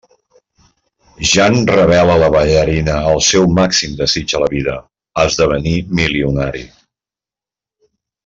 Jan revela a la ballarina el seu màxim desig a la vida: esdevenir milionari.